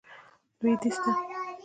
لوېدیځ ته.